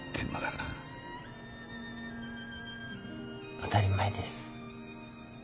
当たり前です。